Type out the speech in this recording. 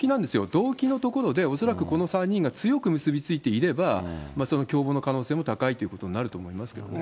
動機のところで、恐らくこの３人が強く結びついていれば、その共謀の可能性も高いということになると思いますけどね。